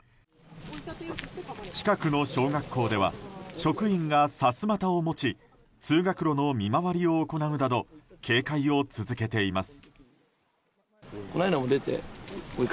近くの小学校では職員が、さすまたを持ち通学路の見回りを行うなど警戒を続けています。